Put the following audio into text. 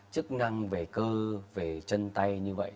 chức năng về cơ về chân tay như vậy